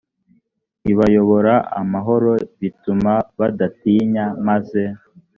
ibayobora amahoro bituma badatinya maze